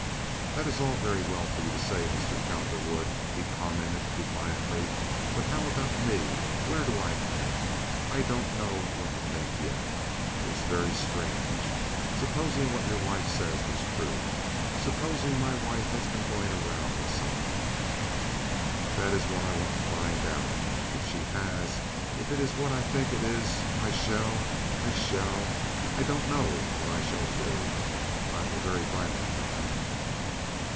"That is all very well for you to say, Mr. Cowperwood," he commented, defiantly, "but how about me? Where do I come in? I daunt know what to theenk yet. It ees very strange. Supposing what your wife sais was true? Supposing my wife has been going around weeth some one? That ees what I want to find out. Eef she has! Eef eet is what I theenk it ees I shall—I shall—I daunt know what I shall do. I am a very violent man."